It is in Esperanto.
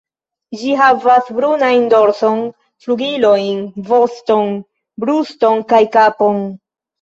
Ĝi havas brunajn dorson, flugilojn, voston, bruston kaj kapon.